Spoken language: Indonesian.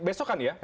besok kan ya